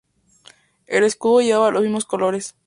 El escudo llevaba los mismos colores.